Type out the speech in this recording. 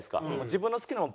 自分の好きなもの